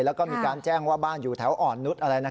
แล้วก็มีการแจ้งว่าบ้านอยู่แถวอ่อนนุษย์อะไรนะ